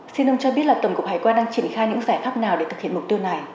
xin ông cho biết là tổng cục hải quan đang triển khai những giải pháp nào để thực hiện mục tiêu này